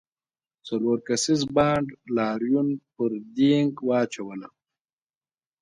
څلور کسیز بانډ لاریون پر دینګ واچوله.